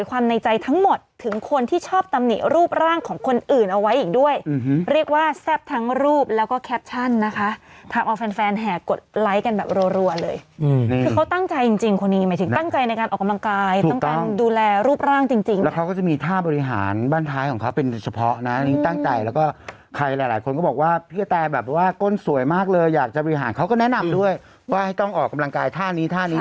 วันนี้นะครับพลเอกบริจจานโอชาครับนายกรัฐบนตรี